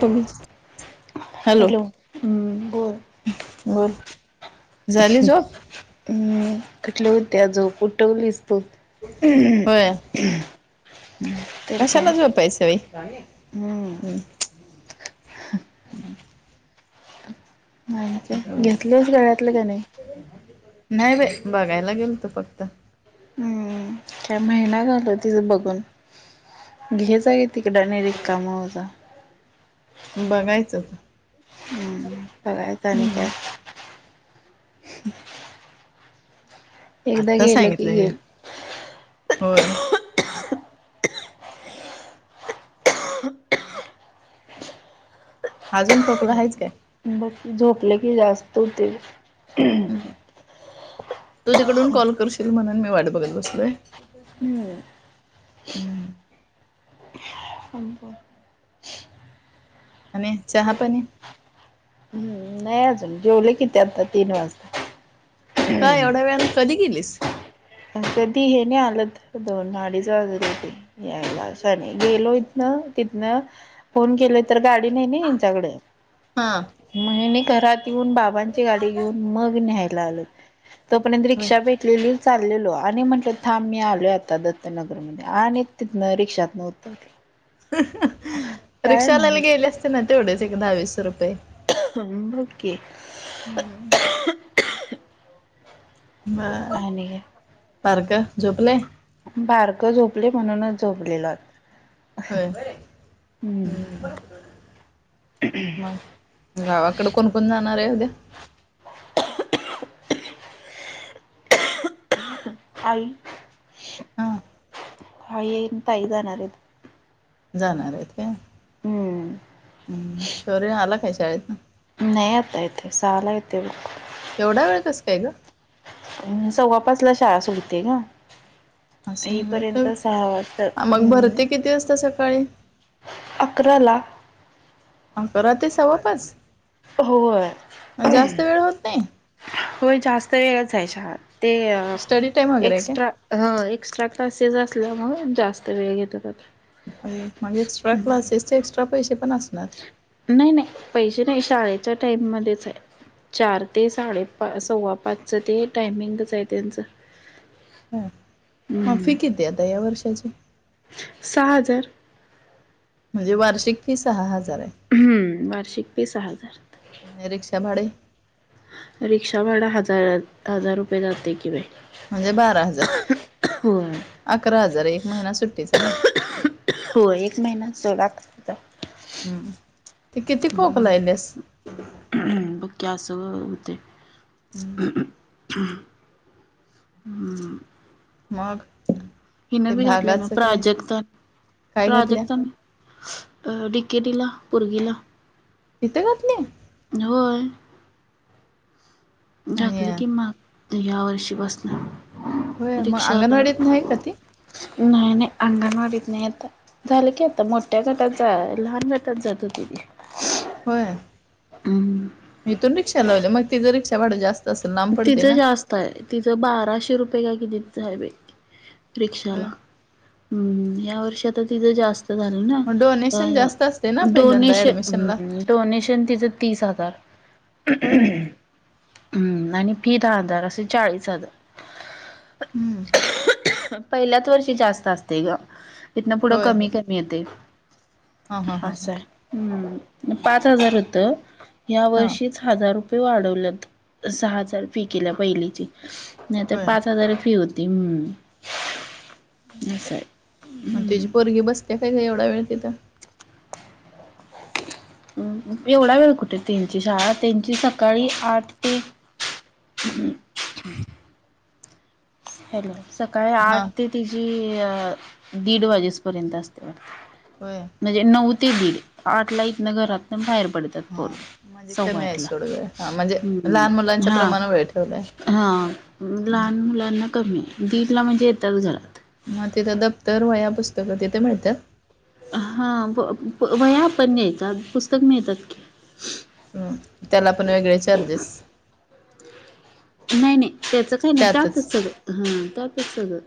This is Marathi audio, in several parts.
तुम्हीच हॅलो हम्म बोल बोल झाली झोप? कुठली होती या झोप उठवलीस तू. होय तर काय कशाला झोपायचंय? हम्म मा घेतलच गळ्यातल का नाही? नाही बाई बघायला गेलतो फक्त. हम्म काय महिना झाला तिला बघून बघून हेच आहे. तिकडा नाय रिकाम होता. बघायचं हम्म बघयच आणि काय? हम्म एकदा आत्ता गेलं की सांगितलंय गेल होय अजून खोकला आहेच काय? झोपले की जास्त होतय हम्म्म. हम्म तू तिकडून कॉल करशील म्हणून मी वाट बघत बसलोय. हम्म हम्म आणि चहा पाणी? हम्म नाही अजून जेवले कि ते आता तीन वाजता. का एवढ्या वेळान कधी गेलीस? अ कधी हे नि हालत दोन अडीच वाजले होते. यायला अस आणि गेलो इथन तिथनं फोन केले तर गाडी नाही ना त्यांच्याकडे हा मग ह्यांनी घरात तुन बाबांची गाडी घेऊन मग न्यायाला आलो तोपर्यंत होय रिक्षा भेटलेली चाललो आ आणि म्हटलं थांब मी आलो आता दत्तनगरमध्ये आणि तिथनं रिक्षातनं उतरले. हं हं रिक्षाला नव्हच गेले असते ना तेवढेच दहावीस रुपये. ह बघ की हम्म बर आणि बारक झोपलय. बारकं झोपलय म्हणूनच झोपलेलो आहे. होय हम्म हू मग गावाकडे कोण कोण जाणार आहे उद्या? आई हा आई ताई जाणार आहेत. जाणार आहेत काय? हम्म हम्म शोर्य आला काय शाळेतनं? नाही आता येते सहाला येते एवढा वेळ कस काय गं? सव्वापाचला शाळा सुटते गं. येईपर्यंत असं सहा वाजत्यात मग हम्. भरते किती वाजता सकाळी आकराला आकरा ते सव्वापाच व्हय वेळ होत नाही व्हय जास्त वेळच आहे शाळा. ते स्टडी टाइम वगैरे आहे एक्स्ट्रा हो एक्स्ट्रा क्लासेस असल्यामुळ जास्त वेळ घेतात आता. आये मग एक्स्ट्रा क्लाससचे एक्स्ट्रा पैसे पण असणार? नाही नाही पैसे नाही शाळेच्या टाइम मध्येच हाय. चार ते साडेपा सव्वापाचचं ते टायमिंगच आहे त्यांचं. हा म फी हम्म किती आहे आता या वर्षाची? सहा हाजार. म्हणजे वार्षिक फी सहा हजार आहे. हम्म वार्षिक फी सहा हजार. आणि रिक्षा भांडे? रिक्षा भाड हजार हजार रुपये जातय कि बाई. म्हणजे बारा हजार, होय. अकरा हजार एक महिना सुट्टीचा ना. हो एक महिना हम्म. ते किती [unintelligible] खोकलायलेस हम्म बकी आसं होतय. हम्म. मगं? हीन बी घातल्या नव्ह प्राजक्ता काय घातल्या प्राजक्तान डि. के. टी ला पोरगीला. इथं घातल्या? होय. आणि घातलं कि मा या वर्षी पासन होय मग अंगणवाडीत नाही का रिक्षावाला ती नाही नाही अंगणवाडीत नाही आता. झालं की आता मोठ्या गटात जा लहान गटात जात होती ती. होय, हम्म इथून रिक्षा लावल्या मग तिज रिक्षा भाड जास्त असेल लांब पडते तिचं ना जास्त आहे तिज बाराशे रुपये काय किती तर हाय बाई. होय रिक्षाला हम्म या वर्षीतच तिचं जास्त झालं ना मग डोनेशन अ जास्त असते ना पहिल्यांदा डोनेश ऍडमिशनला हम् डोनेशन तिचं तीस हजार होय हम्म आणि फि दहा हजार असे चाळीस हजार. हम्म पहिल्याच वर्षी जास्त आसतय गं. तिथनं पुढं होय होय कमी कमी येतय हां हां हां हां आसं आहे. हम् पाच हजार होतं या हां वर्षीच हजार रुपये वाढवल्यात सहा हजार फी केल्या पहिलीची. नाही तर होय पाच हजार फी होती, हम्म असं आहे. आणि तेजी हम्म पोरगी बसत्या काय गं एवढं वेळ तिथं? एवढा वेळ कुठ त्यांची शाळा त्यांची सकाळी आठ ते [inaudible] हॅलो! सकाळी हां आठ ते तिजी दीड वाजेस पर्यंत आसत्या वाटतं. व्हय. म्हणजे नऊ ते दीड आठ ला इथनं घरातंन बाहेर पड त्यात हां पोरं म्हणजे कमी आहे सव्वाआठला सोड वेळ हां म्हणजे हम् लहान मुलांच्या हा. प्रमाण वेळ ठेवलाय हा हं. लहान मुलांना कमी दीडला म्हणजे येतात घरा मग तिथं दफ्तर वह्या पुस्तकं तिथ मिळत्यात. हां व प वह्या पण नेयाच्या पुस्तक मिळतात की ह त्याला पण वेगळे चार्जेस नाही नाही त्याचं काही नाही त्यातच सगळं हा त्यातच सगळं सगळं.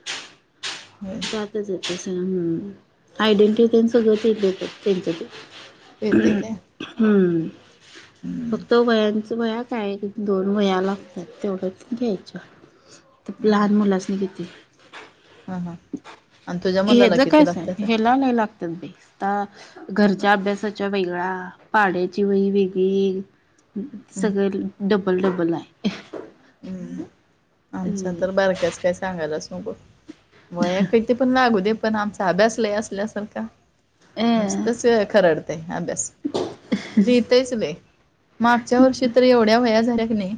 होय जातच आहे [unintelligible] आयडेंटिटी तेन सगळंच त्यांचं तेच देत्यात तेंचच ती येते काय हम्म हम फक्त व्हायांचं. तुम्हाला या शाळेतून दोन वह्या लागतात तेवढेच घ्यायचा. तूप लहान मुलासनी किती? हा हा आणि तुझ्या मुलाला हेज किती कसाय लागतात हेला लय लागतंय. आता घरच्या अभ्यासाच्या वेगळा पाड्याची वही वेगळी. हं सगळे डबल डबल आहे. हम्म आमचा तर बारक्याच काही सांगायलाच नको. वया काही ते पण लागू दे पण आमचा अभ्यासलाही असल्यासारखा अ नुसतच खरडतंय अभ्यास. लिहितयच लय मागच्या वर्षी तर एवढ्या वया झाल्या की नाय.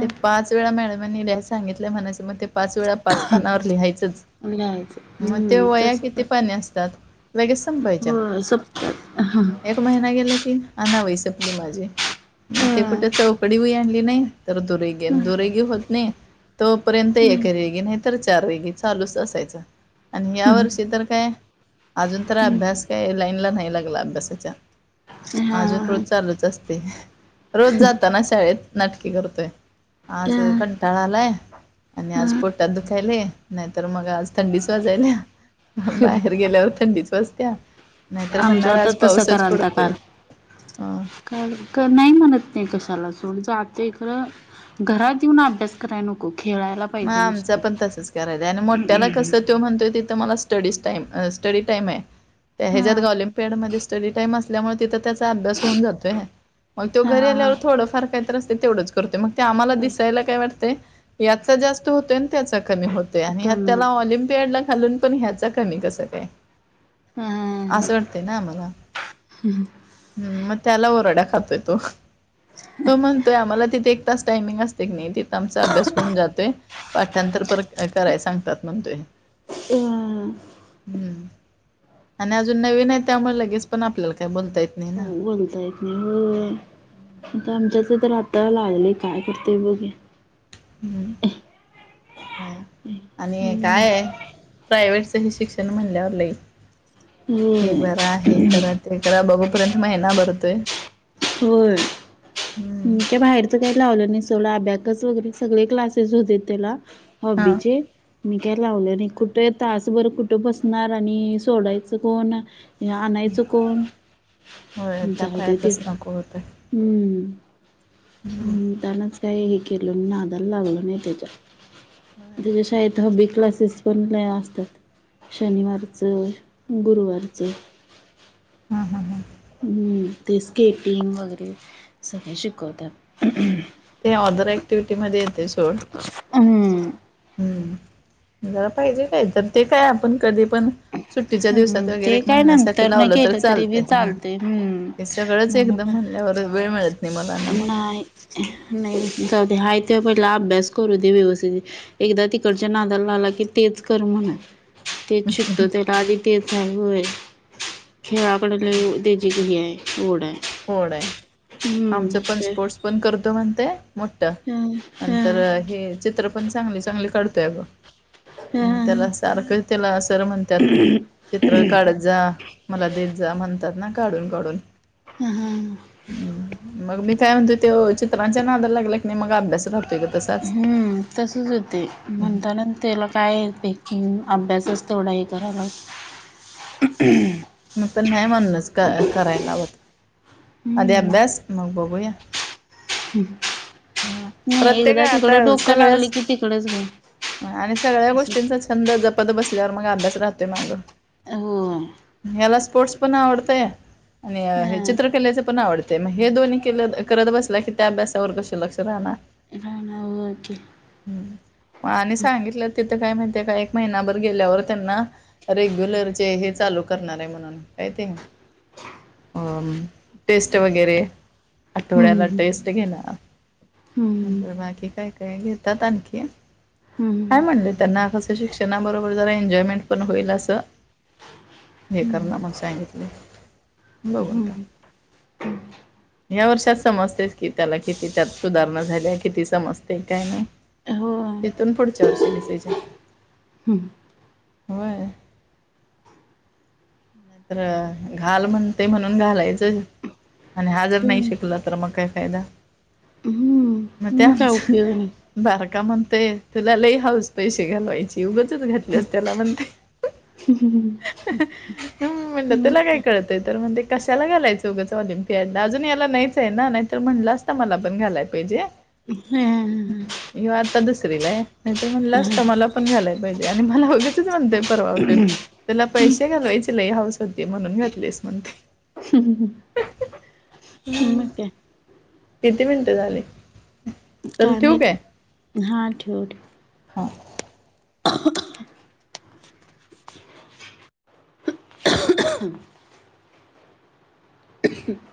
ते पाच वेळा मॅडमनी लस सांगितलंय म्हणाच मग ते पाच वेळा पाच पानावर लिहायचंच लिहायचं मग ते हम्म वया तसच किती आहे. पाणी असतात. लगेच संपायच्या हो सपतात एक महिना गेला की आणा वही सपली माझी, मग ते कुठे चौकडी वही आणली नाही तर दुरे दुरेगी होत नाही तोपर्यंत एक रे नाही तर चार रेगी चालूच असायच आणि या वर्षी तर काय? अजून तर अभ्यास काय लाईनला नाही लागला अभ्यासाच्या अजून हा रोज चालूच असतंय, रोज जाताना शाळेत नाटकी करतोय. आज हा कंटाळा आलाय. आणि आज पोटात दुखायले नाहीतर मग आज थंडीच वाजायला. बाहेर गेल्यावर थंडीच वाजत्या. नाहीतर म्हणणार आमचं तर आज तसं पाऊसच करालता काल. पडतोय. ह का नाही म्हणत नाही कशाला सोडच जातोय खरं. घरात येऊन अभ्यास करा नक खेळायला. मग पाहिजे आमच नुसते. पण तसंच करायला आणि मोठ्याला कसं तो म्हणतोय तिथं. मला स्टडीज टाईम ह स्टडी टाईम आहे, त्या हा ह्याजात गं ऑलिंपियड मध्ये स्टडी टाईम असल्यामुळे तिथं त्याचा अभ्यास होऊन जातोय, मग तो हा घरी हा हा. आल्यावर थोडं फार काहीतर असतंय तेवढंच. आम्हाला दिसयला काय वाटतय याचा जास्त होत त्याचा कमीत ते आणि ह्यात कमी त्याला ऑलिम्पियाड ला घालून पण ह्याच. कमी कस काय अ असं वाटते ना आम्हाला हम्म मग त्याला ओरडा खातोय तो तो म्हणतोय आम्हाला तिथे एक तास टाइमिंग असते की नाही तिथ आमचा अभ्यास होऊन जातोय पाठांतर प कराय सांगतात म्हणतोय. ह. हम्म आणि अजून नवीन आहे त्यामुळे लगेच पण आपल्याला काय बोलता येत. नाही आ ना बोलताय. हो अजून आमच्याच तर आता लागलंय काय करतोय बघुया. हम्म आणि हम्म. काय आहे. प्रायवहेटच हे शिक्षण म्हणल्यावरलं लई ते होय भरा हे करा. ते करा बघेपर्यंत महिना भरतोय. होय. हम्म ते बाहेरचं काही लावलं नाही सोडा अभ्याकच वगैरे सगळे क्लासेस होते त्याला हा हॉबीचे म काय लावले नाही आणि कुठे तासभर कुठं बसणार आणि सोडायचं कोण? हे आणायचं कोण होय त्या जाऊ दे ते पायातच नको होतं हम्म. हम्म त्यांनाच काही हे केलं नादाला लावलो नाही होय. त्याच्या शाळेत दहावी क्लासेस पण लई असतात शनिवारचं गुरुवारचं. हा हा हा. हम्म ते स्केटिंग वगैरे सगळे शिकवत्यात. ते अदर ऍक्टिव्हटी मध्ये येतेच हम्म. हम्म जरा पाहिजे काय तर ते काय आपण कधी पण सुट्टीच्या दिवसात हम्म वगैरे ते एक काय महिन्यासाठी नंतर न लावलं तर केलं तरी बी चालतंय हम्. हम्म. हे सगळंच एकदम म्हणून म्हणल्यावर वेळ मिळत नाही मला ना मग. नाही नाही जाऊ दे, आहे ते पहिला अभ्यास करूदे व्यवस्थित. एकदा तिकडच्या नादाला लागला की तेच कर म्हणलं. शिकतो त्याला आधी ते साहेब वर खेळाकडे लई त्याची घही आहे. ओढ हाय. ओढ आहे आमचं पण ते स्पोर्ट्स. पण करतो म्हणतोय मोठ हम्म नंतर हम्म हे चित्रपन पण चांगली चांगली काढतोय आग मग त्याला हम्म सारखं त्याला सर म्हण त्यात चित्र काढत जा मला देत जा म्हणतात ना काढून काढून हां हां. मग मी काय म्हणतोय ते चित्रांच्या नादला लागल्या की नाही मग अभ्यास राहतोय का तसाच. तसंच होते म्हणताना त्याला काय पेकिंग अभ्यासच तेव्हडा हे करायला [inaudible] हम्म. म्हणतान नाही म्हणलाच क करायला लावत. अधी हम्म अभ्यास मग बघूया. हम्. हं नाही प्रत्येक एकदा तिकडं आता डोकं लागलं सगळ्याच की तिकडंच मी आणि सगळ्या असंय. गोष्टींचा छंद जपत बसल्यावर मग अभ्यास राहतोय मागं, हो याला स्पोर्ट्स पण आवडतय हा आणि चित्र पण आवडते मग हे दोन्ही के करत बसला की त्या अभ्यासावर कस लक्ष राहणार. नाही नाही होय की. हम् आणि सांगितलं तिथं काय माहिती काय एक महिनाभर गेल्यावर त्यांना रेग्युलरचे हे चालू करणार आहे म्हणून काय ते अ. टेस्ट वगैरे. आठवड्याला हम्म टेस्ट घेनार हम्म नंतर बाकी काय कर. ते घेतात आणखी काय हम्म म्हणले त्यांना कसं शिक्षण. त्यांना बरोबर जरा एनजाॅयमेंट पण होईल असं हे हम्म करणा म्हणुन सांगितलंय बघु आता. हम्म या वर्षात समजतेस की त्याला किती त्यात सुधारणा झाल्या किती समजते काय नाही. हो तिथून पुढच्या वर्षी डिसिजन. हां. होय नाही तर घाल म्हणते म्हणून घालायचं आणि हा जर नाही शिकला तर मग काय फायदा मग हम्म त्या काय आमच उपयोग नाही बारका म्हणते तुला लई हाऊस पैसे घालवायचे. ते उगचच घातल्यास त्याला म्हणतंय. ह म्हंटल त्याला काय कळ तर म्हण ते कशाला घालायचं उगचं ऑलिम्पियाडला अजून याला नाहीच आहे ना नाही तर म्हटलं मला पण घालाय पाहिजे. हा. ह्यो आता दुसरीला आहे नाहीतर म्हणलं असतं मला पण घालायला पाहिजे आणि मला उगचच म्हणते परवा उटून तुला पैसे घालवायचे हाऊस होती म्हणून घातलेस म्हण. ह ह. मग काय? किती मिनटं झाली? चल काय ठेवू माहित? हा ठेव ठेव. हा [inaudible] [inaudible]